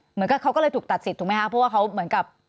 เหมือนกับเขาก็เลยถูกตัดสิทธิถูกไหมคะเพราะว่าเขาเหมือนกับ